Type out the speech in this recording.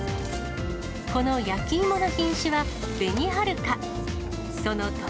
この焼き芋の品種は、べにはるか。